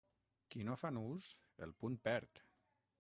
Qui no fa nus, el punt perd.